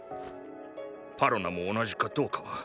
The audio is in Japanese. パロナも同じかどうかはわからない。